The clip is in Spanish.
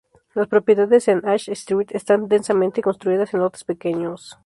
Las propiedades en Ash Street están densamente construidas en lotes pequeños.